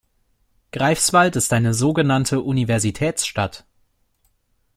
Greifswald ist eine so genannte Universitätsstadt.